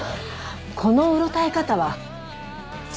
このうろたえ方はそうね。